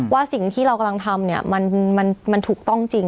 ว่าสิ่งที่เรากำลังทำมันถูกต้องจริง